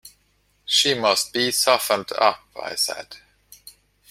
"She must be softened up," I said.